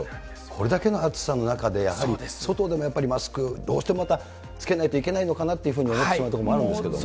これだけの暑さの中で、やはり外でもやっぱりマスク、どうしてもまた着けないといけないのかなと思ってしまうところもあるんですけど。